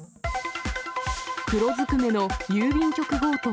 黒ずくめの郵便局強盗。